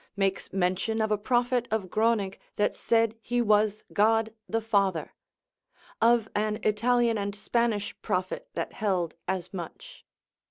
makes mention of a prophet of Groning that said he was God the Father; of an Italian and Spanish prophet that held as much.